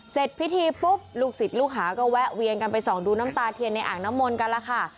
เสร็จพิธีปุ๊บลูกศิษย์ลูกหาก็แวะเวียนกันไปส่องดูน้ำตาเทียนในอ่างน้ำมนต์กันแล้วค่ะ